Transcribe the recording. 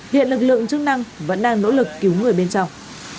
hiện lực lượng chức năng vẫn đang nỗ lực cứu người bên trong